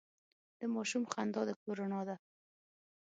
د ماشوم خندا د کور رڼا ده.